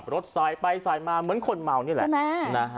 รถสายไปสายมาเหมือนคนเมานี่แหละ